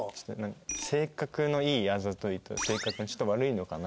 性格のいいあざといと性格ちょっと悪いのかな？